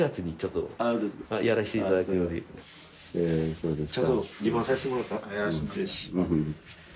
そうですか。